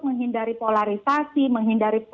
menghindari polarisasi menghindari